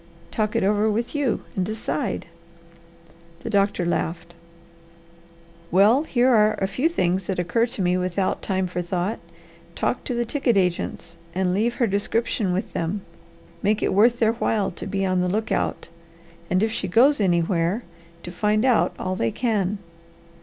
"Talk it over with you and decide." The doctor laughed. "Well here are a few things that occur to me without time for thought. Talk to the ticket agents, and leave her description with them. Make it worth their while to be on the lookout, and if she goes anywhere to find out all they can.